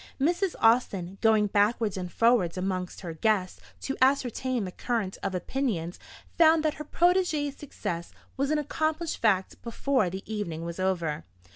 Mrs. Austin, going backwards and forwards amongst her guests to ascertain the current of opinions, found that her protégée's success was an accomplished fact before the evening was over.